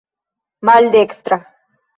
maldekstra